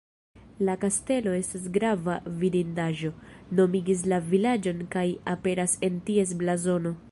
La kastelo estas grava vidindaĵo, nomigis la vilaĝon kaj aperas en ties blazono.